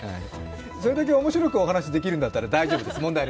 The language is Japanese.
それだけ面白くお話しできるんだったら大丈夫です。